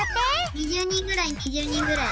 ２０にんぐらい２０にんぐらい。